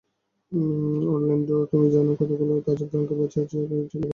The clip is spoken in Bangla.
অরল্যান্ডো, তুমি জানো কতগুলো তাজা প্রাণকে বাঁচিয়েছ এই টেলিগ্রামের সাহায্যে?